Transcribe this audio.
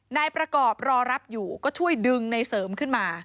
นายประกอบรอรับอยู่ก็ช่วยดึงในเสริมขึ้นมา